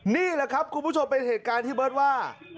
นี่แหละครับคุณผู้ชมเป็นเหตุการณ์ที่เบิร์ตว่า